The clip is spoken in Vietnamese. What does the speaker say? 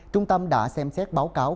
trung tâm đã xem xét báo cáo